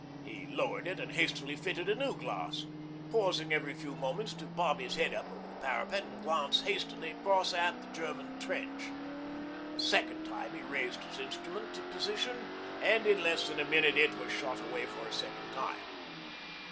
He lowered it and hastily fitted a new glass, pausing every few moments to bob his head up over the parapet and glance hastily across at the German trench. A second time he raised his instrument to position and in less than a minute it was shot away for a second time.